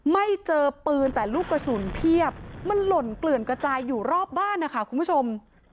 ไม่เจอปืนแต่ลูกกระสุนเพียบมันหล่นเกลื่อนกระจายอยู่รอบบ้านนะคะคุณผู้ชม